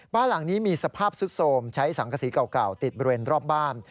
บ้านหลังนี้มีสภาพสุดโสมใช้สังกษีเก่าติดบริเวณรอบบ้าน